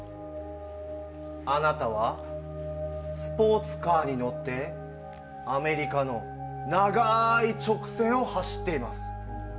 あなたはスポーツカーに乗ってアメリカの長い直線を走っています。